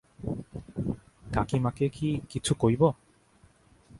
কাকীমাকে কি কিছু কইব?